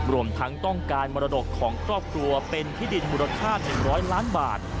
รวมทั้งต้องการมรดกของครอบครัวเป็นที่ดินมูลค่า๑๐๐ล้านบาท